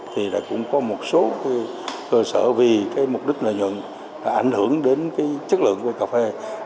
thì cũng có một số cơ sở vì cái mục đích lợi nhuận ảnh hưởng đến cái chất lượng của cà phê